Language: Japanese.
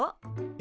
え？